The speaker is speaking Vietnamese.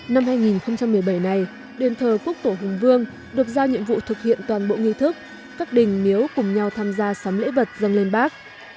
năm hai nghìn một mươi bảy này đền thờ quốc tổ hùng vương được giao nhiệm vụ thực hiện toàn bộ nghi thức các đình miếu cùng nhau tham gia sắm lễ vật dâng lên bác